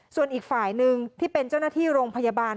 ส่วนอีกฝ่ายหนึ่งที่เป็นเจ้าหน้าที่โรงพยาบาล